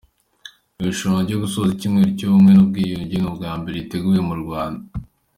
Irushanwa ryo gusoza ‘Icyumweru cy’Ubumwe n’Ubwiyunge’ ni ubwa mbere riteguwe mu Rwanda.